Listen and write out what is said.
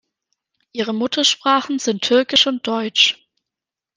Ihre Muttersprachen sind Türkisch und Deutsch.